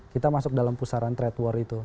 kita masuk dalam pusaran trade war itu